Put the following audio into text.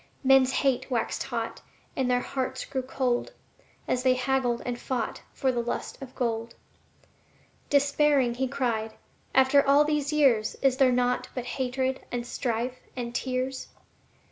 Men's hate waxed hot, and their hearts grew cold, As they haggled and fought for the lust of gold. Despairing, he cried, "After all these years Is there naught but hatred and strife and tears?"